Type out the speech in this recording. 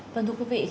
vâng thưa quý vị